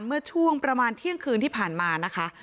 เมื่อช่วงประมาณเที่ยงคืนที่ผ่านมานะคะ